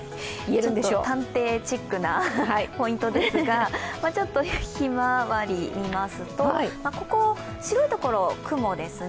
ちょっと探偵チックなポイントですが、ひまわりを見ますと、ここ、白いところ雲ですね。